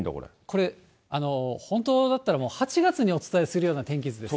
これ、本当だったらもう８月にお伝えするような天気図です。